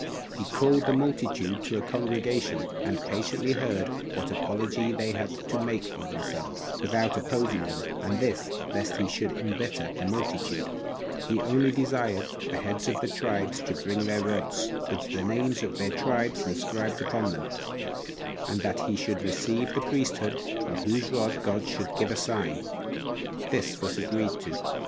He called the multitude to a congregation, and patiently heard what apology they had to make for themselves, without opposing them, and this lest he should imbitter the multitude: he only desired the heads of the tribes to bring their rods, 3 with the names of their tribes inscribed upon them, and that he should receive the priesthood in whose rod God should give a sign. This was agreed to.